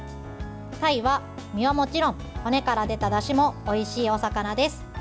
たいは身はもちろん骨から出ただしもおいしいお魚です。